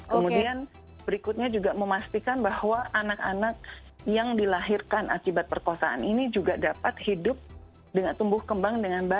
kemudian berikutnya juga memastikan bahwa anak anak yang dilahirkan akibat perkosaan ini juga dapat hidup dengan tumbuh kembang dengan baik